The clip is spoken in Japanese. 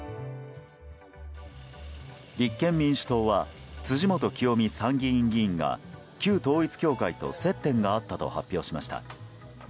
立憲民主党は辻元清美参議院議員が旧統一教会と接点があったと発表しました。